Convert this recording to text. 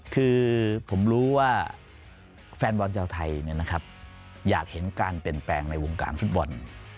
คือผมรู้ว่าแฟนบอลชาวไทยอยากเห็นการเปลี่ยนแปลงในวงการฟุตบอล